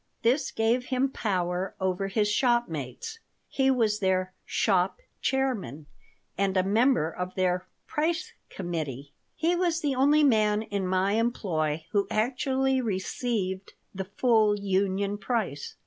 This gave him power over his shopmates. He was their "shop chairman" and a member of their "price committee." He was the only man in my employ who actually received the full union price.